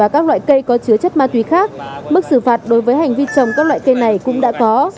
có chứa chất ma túy khác mức xử phạt đối với hành vi trồng các loại cây này cũng đã có